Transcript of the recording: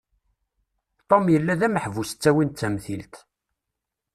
Tom yella d ameḥbus ttawin d tamtilt.